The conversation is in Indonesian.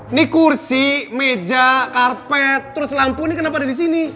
ini kursi meja karpet terus lampu ini kenapa ada di sini